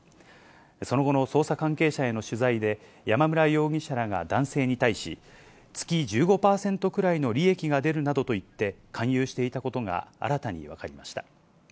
その後の捜査関係者への取材で、山村容疑者らが男性に対し、月１５％くらいの利益が出るなどと言って勧誘していたことが新たに分かりました。